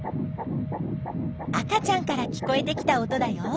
赤ちゃんから聞こえてきた音だよ。